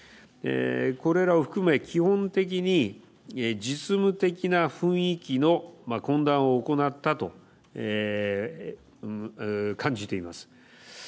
これらを含め基本的に実務的な雰囲気の懇談を行ったと感じています。